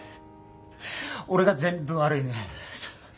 俺が全部悪いねん。